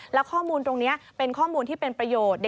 แล้วข้อมูลตรงนี้เป็นข้อมูลที่เป็นประโยชน์